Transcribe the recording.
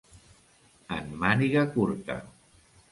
En màniga curta.